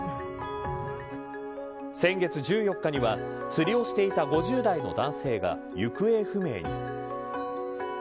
先月１４日には釣りをしていた５０代の男性が行方不明に。